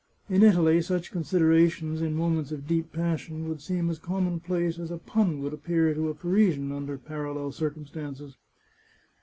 In Italy such considerations, in moments of deep passion, would seem as commonplace as a pun would appear to a Parisian, under parallel circumstances.